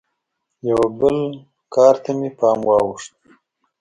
یوه بل کار ته مې پام واوښت.